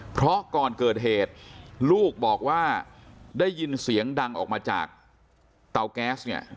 เพราะก่อนเกิดเหตุลูกบอกว่าได้ยินเสียงดังออกมาจากเตาแก๊สเนี่ย